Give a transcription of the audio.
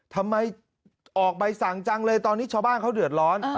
ทำไมออกใบสั่งจังเลยตอนนี้ชาวบ้านเขาเดือดร้อน